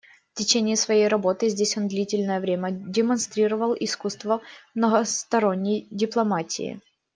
В течение своей работы здесь он длительное время демонстрировал искусство многосторонней дипломатии.